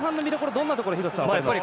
どんなところ廣瀬さんは見ますか？